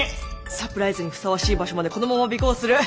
サプライズにふさわしい場所までこのまま尾行する。